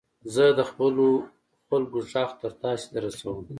زه د خپلو خلکو ږغ تر تاسي در رسوم.